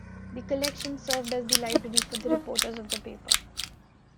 The collection served as the library for the reporters of the paper.